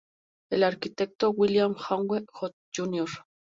El Arquitecto, William Hague, Jr.